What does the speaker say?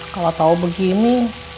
kalau tau begini